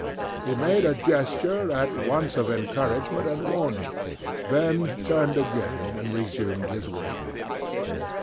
He made a gesture at once of encouragement and warning, then turned again and resumed his way.